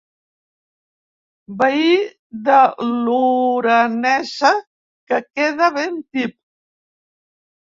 Veí de lorenesa que queda ben tip.